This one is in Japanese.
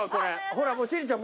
ほらもう千里ちゃん